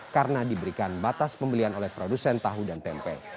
karena diberikan batas pembelian oleh produsen tahu dan tempe